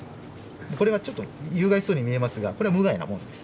これはちょっと有害そうに見えますがこれは無害なもんです。